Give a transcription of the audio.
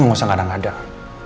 lo gak usah kadang kadang